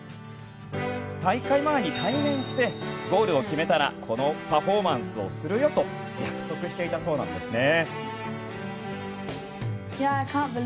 大会前に対面してゴールを決めたらこのパフォーマンスをするよと約束していたそうなんですね。